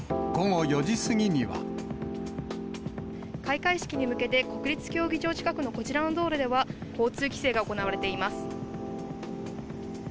開会式に向けて、国立競技場近くのこちらの道路では、交通規制が行われています。